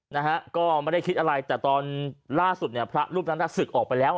นะฮะก็ไม่ได้คิดอะไรแต่ตอนล่าสุดเนี่ยพระรูปนั้นน่ะศึกออกไปแล้ว